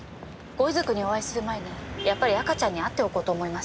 ご遺族にお会いする前にやっぱり赤ちゃんに会っておこうと思いまして。